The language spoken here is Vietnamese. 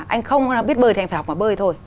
anh không biết bơi thì anh phải học bơi thôi